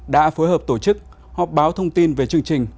đã phối hợp tổ chức họp báo thông tin về chương trình